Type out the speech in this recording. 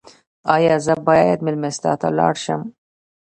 ایا زه باید میلمستیا ته لاړ شم؟